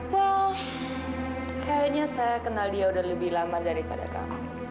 wow kayaknya saya kenal dia udah lebih lama daripada kamu